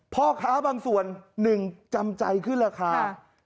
พ่อค้าบางส่วนหนึ่งจำใจขึ้นราคา